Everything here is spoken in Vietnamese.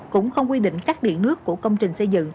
cũng không quy định cắt điện nước của công trình xây dựng